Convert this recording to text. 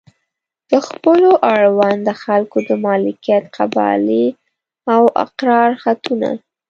د خپلو اړونده خلکو د مالکیت قبالې او اقرار خطونه.